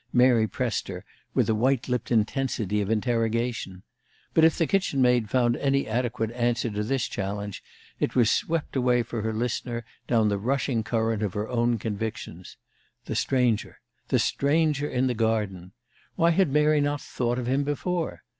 Mary pressed her, with a white lipped intensity of interrogation. But if the kitchen maid found any adequate answer to this challenge, it was swept away for her listener down the rushing current of her own convictions. The stranger the stranger in the garden! Why had Mary not thought of him before?